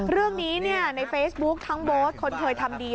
เรื่องนี้ในเฟซบุ๊คทั้งโบ๊ทคนเคยทำดี